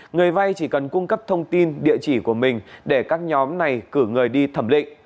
người vay chỉ cần cung cấp thông tin địa chỉ của mình để các nhóm này cử người đi thẩm định